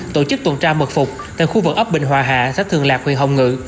tổ chức tuần tra mật phục tại khu vực ấp bình hòa hà sách thường lạc huyện hồng ngự